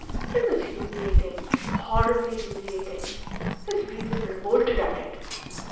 It was humiliating horribly humiliating! His reason revolted at it.